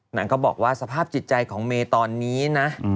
สนั่งก็บอกว่าสภาพจิตใจของเมฆนะ